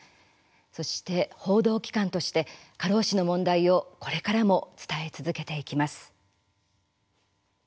そして報道機関として過労死の問題をこれからも伝え続けていきます。